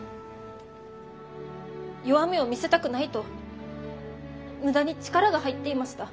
弱みを見せたくないと無駄に力が入っていました。